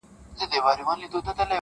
• زما څه عبادت په عادت واوښتی..